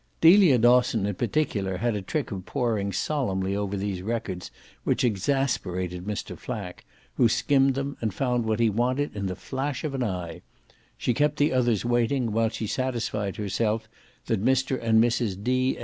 Delia Dosson in particular had a trick of poring solemnly over these records which exasperated Mr. Flack, who skimmed them and found what he wanted in the flash of an eye: she kept the others waiting while she satisfied herself that Mr. and Mrs. D.